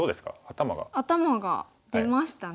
頭が出ましたね。